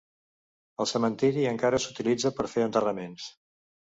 El cementiri encara s'utilitza per fer enterraments.